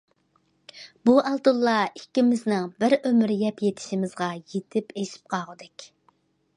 بۇ ئالتۇنلار ئىككىمىزنىڭ بىر ئۆمۈر يەپ يېتىشىمىزغا يېتىپ ئېشىپ قالغۇدەك.